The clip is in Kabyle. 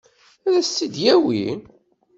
Ad s-t-id-yawi?